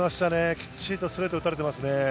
きっちりストレートを打たれていますね。